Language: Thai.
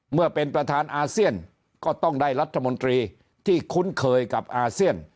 เมื่อเป็นประธานอาเซียนก็ต้องได้รัฐมนตรีที่คุ้นเคยกับอาเซียน